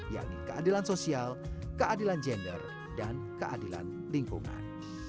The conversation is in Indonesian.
yang ini keadilan sosial keadilan gender dan keadilan lingkungan